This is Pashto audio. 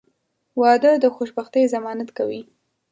• واده د خوشبختۍ ضمانت کوي.